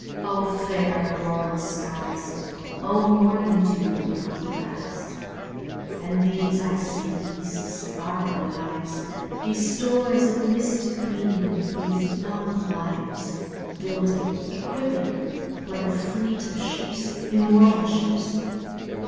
O fair auroral skies! O morning dew upon the grass! And these I see—these sparkling eyes, These stores of mystic meaning—these young lives, Building, equipping, like a fleet of ships—immortal ships!